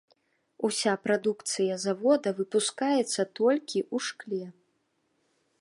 Уся прадукцыя завода выпускаецца толькі ў шкле.